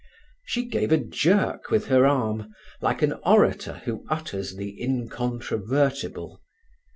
She gave a jerk with her arm, like an orator who utters the incontrovertible.